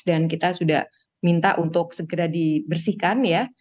dan kita sudah minta untuk segera dibersihkan ya